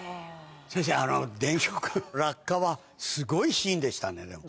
先生、電飾の落下はすごいシーンでしたね、でも。